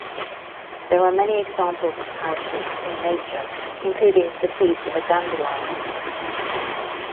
There are many examples of parachutes in nature, including the seeds of a dandelion.